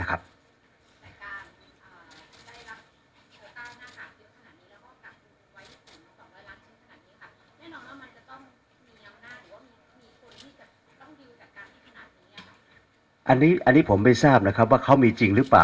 อันนี้ผมไม่ทราบว่ามีจริงหรือเปล่า